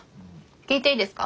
聞いていいですか？